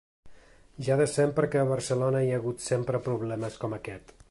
Ja de sempre que a Barcelona hi ha hagut sempre problemes com aquest.